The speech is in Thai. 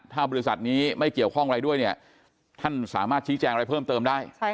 ถ้าบริษัทนี้ไม่เกี่ยวข้องอะไรด้วยเนี่ยท่านสามารถชี้แจงอะไรเพิ่มเติมได้